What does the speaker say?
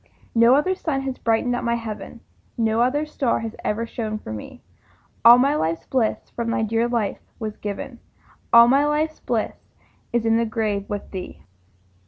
No other sun has brightened up my heaven, No other star has ever shone for me; All my life's bliss from thy dear life was given, All my life's bliss is in the grave with thee.